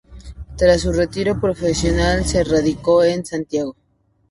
Tras su retiro profesional se radicó en Santiago.